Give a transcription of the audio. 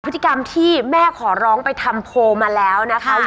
พฤติกรรมที่แม่ขอร้องไปทำโพลมาแล้วนะคะ